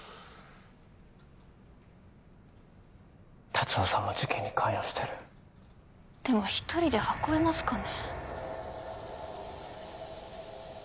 達雄さんも事件に関与してるでも一人で運べますかね？